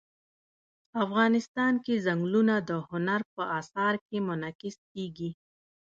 افغانستان کې ځنګلونه د هنر په اثار کې منعکس کېږي.